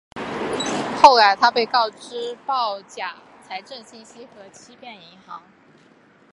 后来他被告假报财政信息和欺骗银行。